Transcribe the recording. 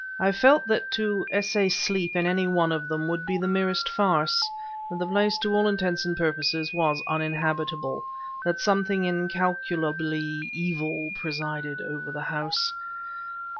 I felt that to essay sleep in any one of them would be the merest farce, that the place to all intents and purposes was uninhabitable, that something incalculably evil presided over the house.